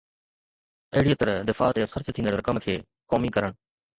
اهڙيءَ طرح دفاع تي خرچ ٿيندڙ رقم کي قومي ڪرڻ